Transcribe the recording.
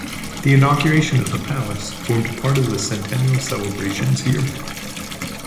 The inauguration of the palace formed part of the Centennial celebrations here.